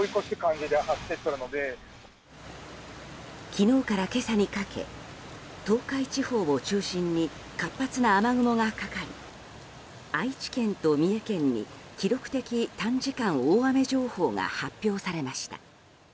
昨日から今朝にかけ東海地方を中心に活発な雨雲がかかり愛知県と三重県に記録的短時間大雨情報が発表されました。